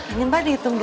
ini mbak dihitung dulu